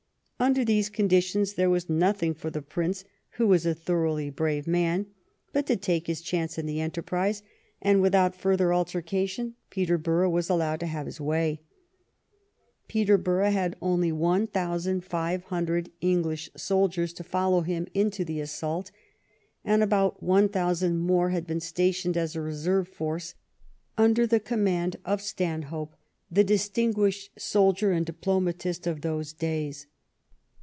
Under these conditions there was nothing for the Prince, who was a thoroughly brave man, but to take his chance in the enterprise, and without further altercation Peterborough was allowed to have his way. Peterbor ough had only about one thousand five hundred English 134 PETERBOROUGH IN SPAIN soldiers to follow him into the assault, and about one thousand more had been stationed as a reserve force un der the command of Stanhope, the distinguished soldier and diplomatist of those days.